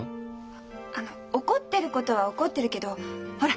あっあの怒ってることは怒ってるけどほら